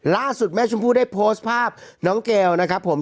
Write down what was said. ล่าสุดแม่ชมพู่ได้โพสต์ภาพน้องเกลนะครับผม